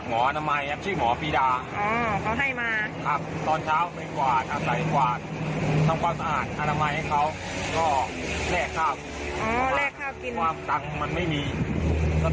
กว่าอศิลปี่กวาดขอให้ด้วยก่อนก็เร็กข้าวกินก่อน